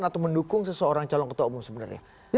atau mendukung seseorang calon ketua umum sebenarnya